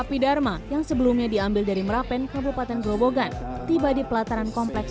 api dharma yang sebelumnya diambil dari merapen kabupaten grobogan tiba di pelataran kompleks